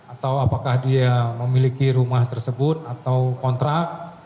atau apakah dia memiliki rumah tersebut atau kontrak